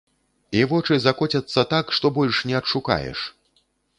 І вочы закоцяцца так, што больш не адшукаеш.